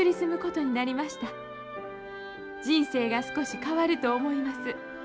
人生が少し變ると思ひます。